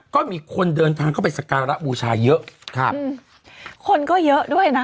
ก็มีคนเดินทางเข้าไปสการะบูชาเยอะครับอืมคนก็เยอะด้วยนะ